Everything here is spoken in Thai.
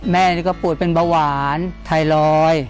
แม่นี่ก็ป่วยเป็นเบาหวานไทรอยด์